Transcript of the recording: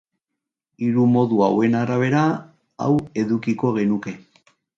Hiru modu hauen arabera, hau edukiko genuke